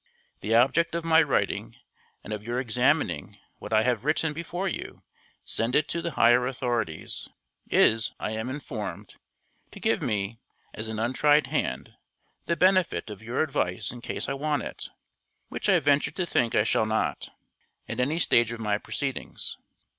The object of my writing, and of your examining what I have written before you send it to the higher authorities, is, I am informed, to give me, as an untried hand, the benefit of your advice in case I want it (which I venture to think I shall not) at any stage of my proceedings.